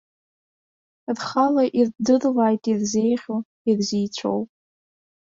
Рхала ирдырлааит ирзеиӷьу, ирзеицәоу.